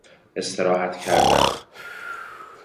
استراحت کردن